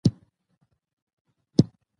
پکتیکا زما وطن ده.